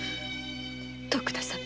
徳田様！？